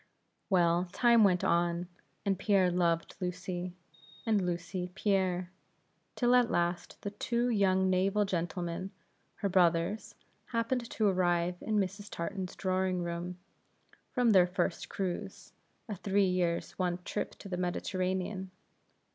Well, time went on; and Pierre loved Lucy, and Lucy, Pierre; till at last the two young naval gentlemen, her brothers, happened to arrive in Mrs. Tartan's drawing room, from their first cruise a three years' one up the Mediterranean.